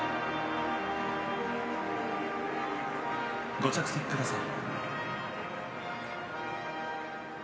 ご着席ください。